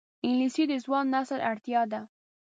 انګلیسي د ځوان نسل اړتیا ده